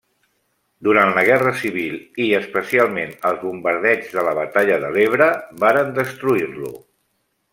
Durant la guerra civil, i especialment els bombardeigs de la batalla de l'Ebre varen destruir-lo.